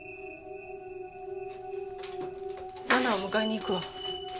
奈々を迎えに行くわ。